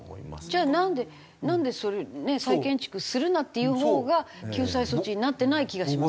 じゃあなんでなんでそれねえ再建築するなっていうほうが救済措置になってない気がしますけど。